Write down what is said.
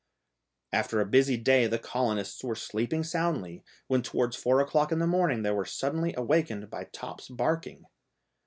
After a busy day the colonists were sleeping soundly, when towards four o'clock in the morning they were suddenly awakened by Top's barking.